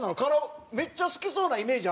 めっちゃ好きそうなイメージあるよ？